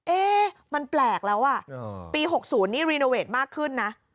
เอ๊มันแปลกแล้วอ่ะอ๋อปีหกศูนย์นี่มากขึ้นนะ